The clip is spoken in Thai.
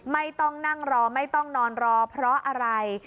ไม่ต้องนั่งรอไม่ต้องนอนรอเพราะอะไร